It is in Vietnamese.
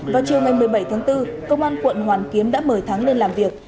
vào chiều ngày một mươi bảy tháng bốn công an quận hoàn kiếm đã mời thắng lên làm việc